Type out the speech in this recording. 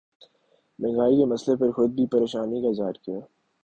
مہنگائی کے مسئلے پر خود بھی پریشانی کا اظہار کیا